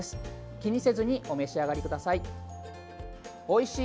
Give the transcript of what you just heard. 気にせずにお召し上がりください。